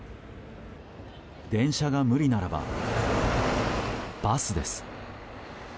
電車が無理ならば、バスです。